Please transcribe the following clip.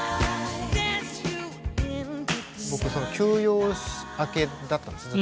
僕その休養明けだったんですね。